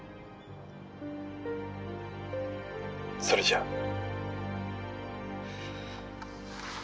それじゃあ。